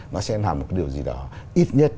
nó sẽ làm một điều gì đó ít nhất